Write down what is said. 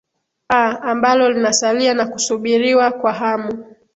a ambalo linasalia na kusubiriwa kwa hamu